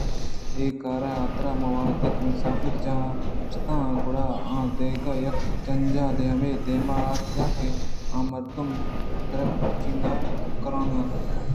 اے کار ءِحاترا من وہدے کہ مسافر جاہ ءَ شتا ں گڑا اوُ دادگہ یک جنجالے ہمے دیم ءَ اتک کہ آمردم ءِ درگیجگ گرٛان اِنت